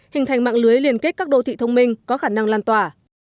hình thành mạng lưới liên kết các đô thị thông minh có khả năng lan tỏa